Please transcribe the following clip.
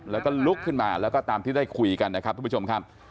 แล้วก็ลุกขึ้นมาแล้วก็ตามที่ได้คุยกันนะครับทุกผู้ชมครับ